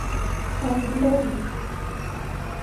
Kung lewi.